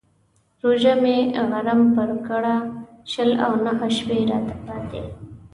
روژه مې غرم پر کړه شل او نهه شپې راته پاتې.